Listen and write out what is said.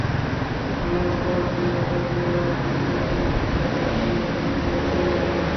আল্লাহ পাক তাঁকে এক গুরুত্বপূর্ণ মিশন এবং পবিত্র রেসালাতের দায়িত্ব দিয়ে পাঠান।